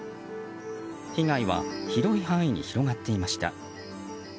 被害は広い範囲に広がっていました。